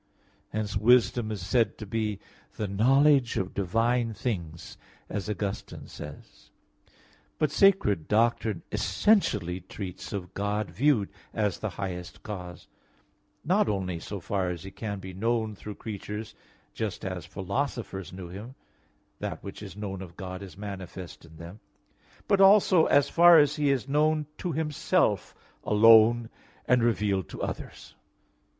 Hence wisdom is said to be the knowledge of divine things, as Augustine says (De Trin. xii, 14). But sacred doctrine essentially treats of God viewed as the highest cause not only so far as He can be known through creatures just as philosophers knew Him "That which is known of God is manifest in them" (Rom. 1:19) but also as far as He is known to Himself alone and revealed to others.